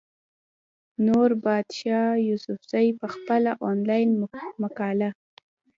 نوربادشاه يوسفزۍ پۀ خپله انلاين مقاله